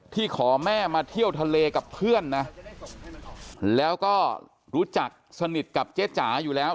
ขอแม่มาเที่ยวทะเลกับเพื่อนนะแล้วก็รู้จักสนิทกับเจ๊จ๋าอยู่แล้ว